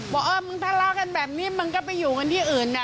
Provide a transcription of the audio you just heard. บอกเออมึงทะเลาะกันแบบนี้มึงก็ไปอยู่กันที่อื่นนะ